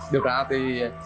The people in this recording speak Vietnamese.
điều tra thì